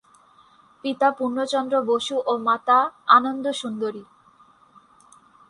পিতা পূর্ণচন্দ্র বসু ও মাতা আনন্দসুন্দরী।